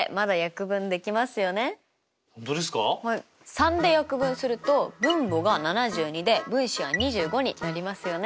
３で約分すると分母が７２で分子は２５になりますよね。